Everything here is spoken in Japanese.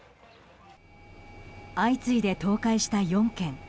相次いで倒壊した４軒。